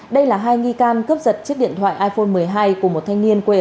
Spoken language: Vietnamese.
đây là hai nghi can cướp giật chiếc điện thoại iphone một mươi hai của một thanh niên quê ở